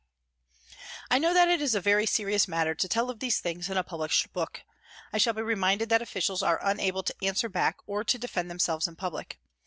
I know that it is a very serious matter to tell of these things in a published book. I shall be reminded that officials are unable to answer back or to defend themselves in public.